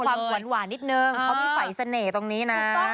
ความหวานนิดนึงเขามีไฟเสน่ห์ตรงนี้นะ